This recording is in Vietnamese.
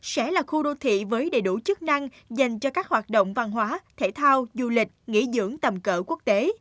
sẽ là khu đô thị với đầy đủ chức năng dành cho các hoạt động văn hóa thể thao du lịch nghỉ dưỡng tầm cỡ quốc tế